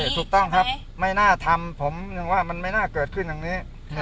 ถูกต้องครับไม่น่าทำผมยังว่ามันไม่น่าเกิดขึ้นอย่างนี้